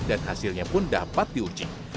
dan hasilnya pun dapat diuji